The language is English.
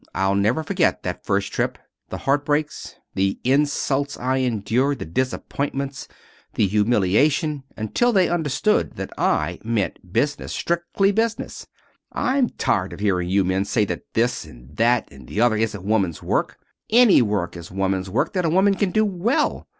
I'll never forget that first trip the heartbreaks, the insults I endured, the disappointments, the humiliation, until they understood that I meant business strictly business. I'm tired of hearing you men say that this and that and the other isn't woman's work. Any work is woman's work that a woman can do well.